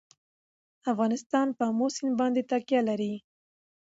افغانستان په آمو سیند باندې تکیه لري.